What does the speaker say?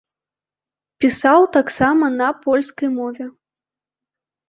Пісаў таксама на польскай мове.